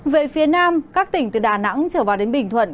về phía nam các tỉnh từ đà nẵng trở vào đến bình thuận